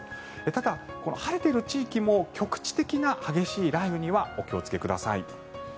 ただ、晴れている地域も局地的な激しい雷雨にはお気をつけください。